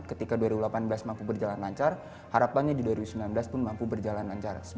ketika dua ribu delapan belas mampu berjalan lancar harapannya di dua ribu sembilan belas pun mampu berjalan lancar